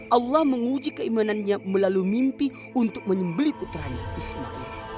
allah menguji keimanannya melalui mimpi untuk menyembeli putranya ismail